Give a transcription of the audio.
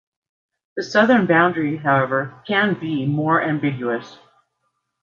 The southern boundary, however, can be more ambiguous.